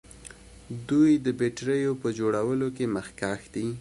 دوی د بیټریو په جوړولو کې مخکښ دي.